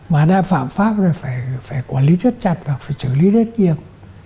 mà phạm pháp thì phải quản lý rất chặt và phải xử lý rất nghiêm